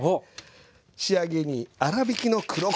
仕上げに粗びきの黒こしょう。